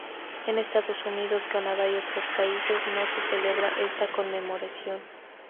En Estados Unidos, Canadá y otros países no se celebra esta conmemoración.